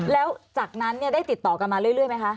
แล้วจากนั้นได้ติดต่อกันมาเรื่อยไหมคะ